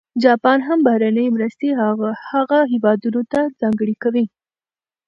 جاپان هم بهرنۍ مرستې هغه هېوادونه ته ځانګړې کوي.